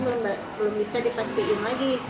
karena belum bisa dipastiin lagi